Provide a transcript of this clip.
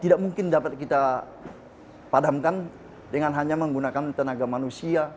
tidak mungkin dapat kita padamkan dengan hanya menggunakan tenaga manusia